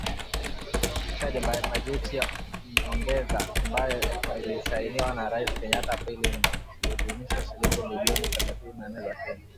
Katika bajeti ya nyongeza ambayo ilisainiwa na Rais Kenyatta Aprili nne, aliidhinisha shilingi bilioni thelathini na nne za Kenya .